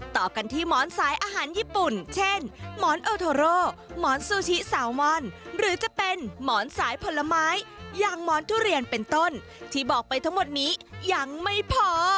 ต่อกันที่หมอนสายอาหารญี่ปุ่นเช่นหมอนโอโทโรหมอนซูชิสาวมอนหรือจะเป็นหมอนสายผลไม้อย่างหมอนทุเรียนเป็นต้นที่บอกไปทั้งหมดนี้ยังไม่พอ